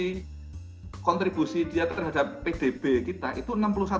tapi kontribusi dia terhadap pdb kita itu enam puluh satu